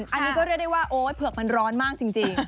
อันนี้ก็เรียกได้ว่าโอ๊ยเผือกมันร้อนมากจริง